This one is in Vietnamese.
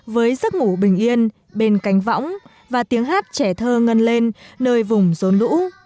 với giấc ngủ bình yên bền cánh võng và tiếng hát trẻ thơ ngân lên nơi vùng rốn lũ